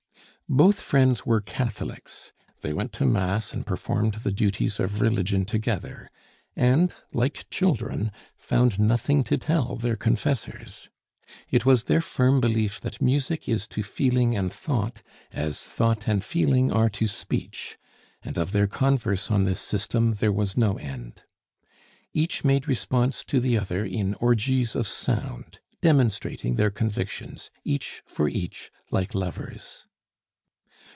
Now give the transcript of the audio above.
Both friends were Catholics. They went to Mass and performed the duties of religion together; and, like children, found nothing to tell their confessors. It was their firm belief that music is to feeling and thought as thought and feeling are to speech; and of their converse on this system there was no end. Each made response to the other in orgies of sound, demonstrating their convictions, each for each, like lovers.